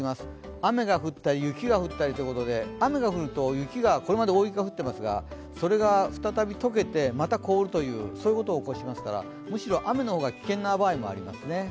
雨が降ったり雪が降ったりということで、雨が降るとこれまで大雪が降ってますからそれが再び解けてまた凍るということを起こしますからむしろ雨の方が危険な場合もありますね。